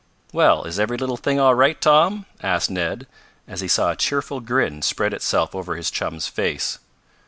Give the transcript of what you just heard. "Well, is every little thing all right, Tom?" asked Ned, as he saw a cheerful grin spread itself over his chum's face.